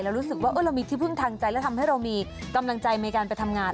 รู้สึกว่าเรามีที่พึ่งทางใจแล้วทำให้เรามีกำลังใจในการไปทำงาน